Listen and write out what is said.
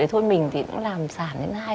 thì thôi mình thì làm sản đến